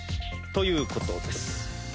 ということです。